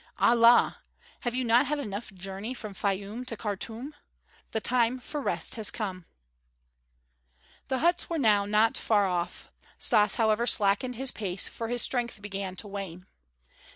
"Allah! Have you not had enough in the journey from Fayûm to Khartûm? The time for rest has come." The huts were now not far off. Stas, however, slackened his pace for his strength began to wane.